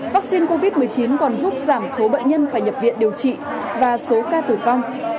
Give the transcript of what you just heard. vaccine covid một mươi chín còn giúp giảm số bệnh nhân phải nhập viện điều trị và số ca tử vong